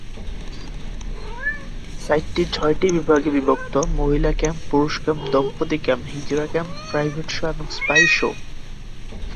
সাইটটি ছয়টি বিভাগে বিভক্ত: মহিলা ক্যাম, পুরুষ ক্যাম, দম্পতি ক্যাম, হিজড়া ক্যাম, প্রাইভেট শো এবং স্পাই শো।